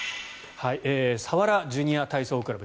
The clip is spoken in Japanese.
佐原ジュニア体操クラブ。